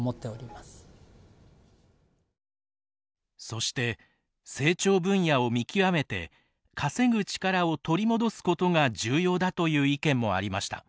そして成長分野を見極めて稼ぐ力を取り戻すことが重要だという意見もありました。